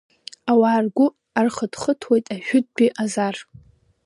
Ауаа ргәы архыҭхыҭуеит ажәытәтәи Азар.